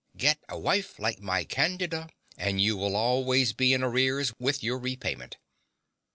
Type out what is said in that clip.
Get a wife like my Candida; and you'll always be in arrear with your repayment.